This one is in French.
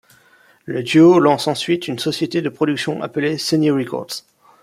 Le duo lance ensuite une société de production appelée Sunny Records.